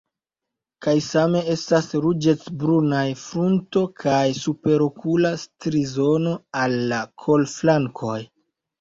Kaj same estas ruĝecbrunaj frunto kaj superokula strizono al la kolflankoj.